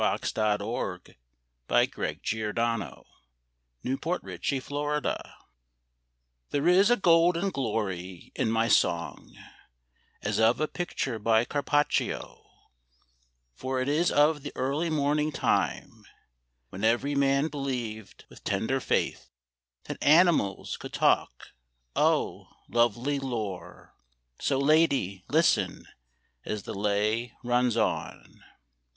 _ Merry ton ton ton ta lay! BALLAD OF THE FOXES There is a golden glory in my song As of a picture by Carpaccio, For it is of the early morning time When every man believed with tender faith That animals could talk—oh, lovely lore! So, lady, listen as the lay runs on.